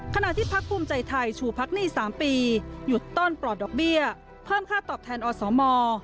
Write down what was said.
ขณะที่พักภูมิใจไทยชูพักหนี้๓ปีหยุดต้อนปลอดดอกเบี้ยเพิ่มค่าตอบแทนอสม